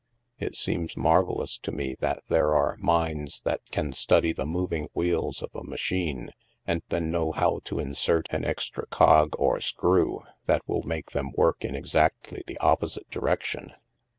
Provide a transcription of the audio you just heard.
It seems marvellous to me that there are minds that can study the moving wheels of a ma chine and then know how to insert an extra cog, or screw, that will make them work in exactly the opposite direction."